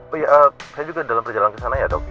oh iya saya juga dalam perjalanan kesana ya dok